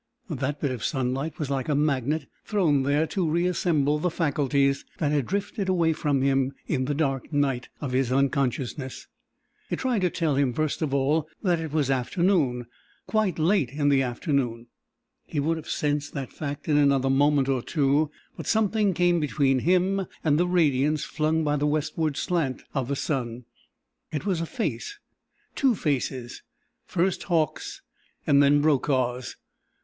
That bit of sunlight was like a magnet thrown there to reassemble the faculties that had drifted away from him in the dark night of his unconsciousness. It tried to tell him, first of all, that it was afternoon quite late in the afternoon. He would have sensed that fact in another moment or two, but something came between him and the radiance flung by the westward slant of the sun. It was a face, two faces first Hauck's and then Brokaw's!